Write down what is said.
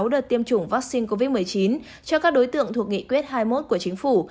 sáu đợt tiêm chủng vaccine covid một mươi chín cho các đối tượng thuộc nghị quyết hai mươi một của chính phủ